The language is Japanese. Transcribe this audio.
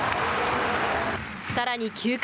さらに９回。